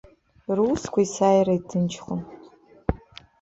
Русқәа есааира иҭынчхон.